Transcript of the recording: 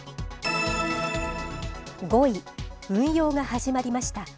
５位、運用が始まりました。